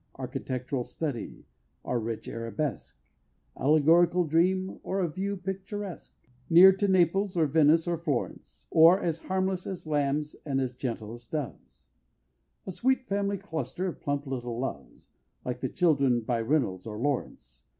Architectural study or rich Arabesque Allegorical dream or a view picturesque, Near to Naples, or Venice, or Florence; Or "as harmless as lambs and as gentle as doves," A sweet family cluster of plump little Loves, Like the Children by Reynolds or Lawrence.